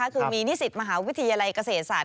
คือมีนิสิตมหาวิทยาลัยเกษตรศาสต